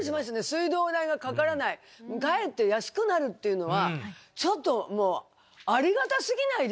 水道代がかからないかえって安くなるっていうのはちょっとありがたすぎないですか？